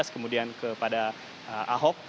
kemudian kepada ahok